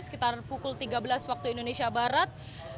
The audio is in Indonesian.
sekitar pukul tiga belas waktu indonesia barat